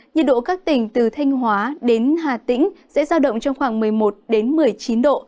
nhiệt độ các tỉnh từ thanh hóa đến hà tĩnh sẽ giao động trong khoảng một mươi một một mươi chín độ